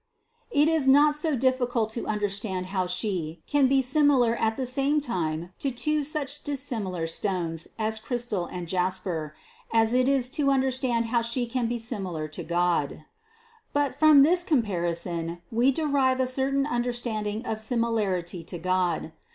It is not so difficult to understand how She can be similar at the same time to two such dissimilar stones as crystal and THE CONCEPTION 221 jasper, as it is to understand how She can be similar to God. But from this comparison we derive a certain un derstanding of similarity to God.